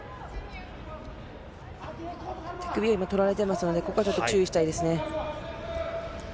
手首を今、取られていますので、ここはちょっと注意したいですね。